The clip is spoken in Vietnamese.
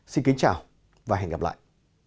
xin kính chào và hẹn gặp lại